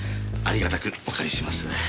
有り難くお借りします。